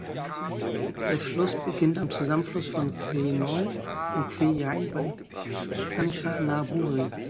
Der Fluss beginnt am Zusammenfluss von Khwae Noi und Khwae Yai bei Kanchanaburi.